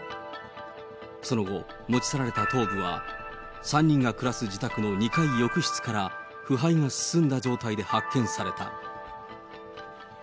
その後、持ち去られた頭部は３人が暮らす自宅の２階浴室から腐敗が進んだ状態で発見された。